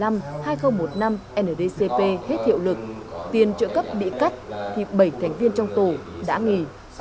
sau năm ndcp hết hiệu lực tiền trợ cấp bị cắt thì bảy thành viên trong tổ đã nghỉ